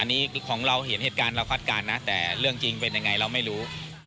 อันนี้ของเราเห็นเหตุการณ์เราคาดการณ์นะแต่เรื่องจริงเป็นยังไงเราไม่รู้